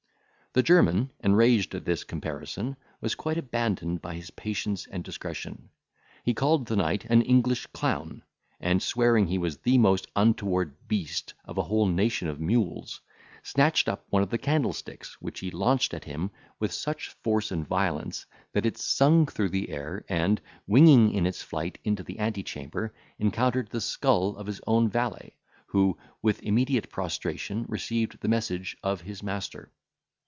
The German, enraged at this comparison, was quite abandoned by his patience and discretion. He called the knight an English clown, and, swearing he was the most untoward beast of a whole nation of mules, snatched up one of the candlesticks, which he launched at him with such force and violence, that it sung through the air, and, winging its flight into the ante chamber, encountered the skull of his own valet, who with immediate prostration received the message of his master.